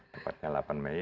tepatnya delapan mei